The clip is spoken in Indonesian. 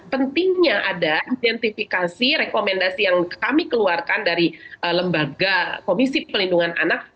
pentingnya ada identifikasi rekomendasi yang kami keluarkan dari lembaga komisi pelindungan anak